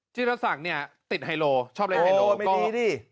จีรศักดิ์ติดไฮโลชอบเรียนไฮโลก็โอ้ไม่ดีดิ